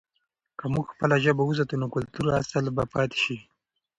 که موږ خپله ژبه وساتو، نو کلتوري اصل به پاته سي.